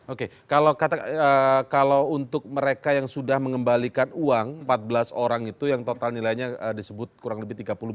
oke kalau untuk mereka yang sudah mengembalikan uang empat belas orang itu yang total nilainya disebut kurang lebih tiga puluh juta